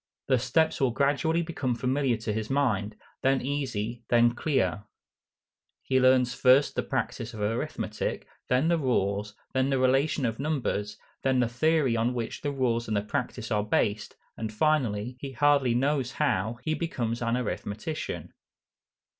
The steps will gradually become familiar to his mind, then easy, then clear. He learns first the practice of arithmetic, then the rules, then the relations of numbers, then the theory on which the rules and the practice are based, and finally, he hardly knows how, he becomes an arithmetician.